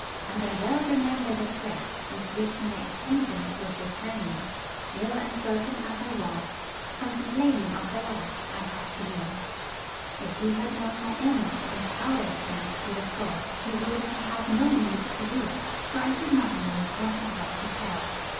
And I well remember the threats with which my 'attendant' would deter me, ill and broken as I was, from complaining of the life I had to lead. If he had known my illness and powerlessness to the full, he would have had no need to do it, for I did not know what I had to tell.